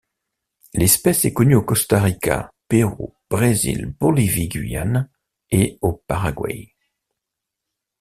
L'espèce est connue au Costa Rica, Pérou, Brésil, Bolivie Guyane et au Paraguay.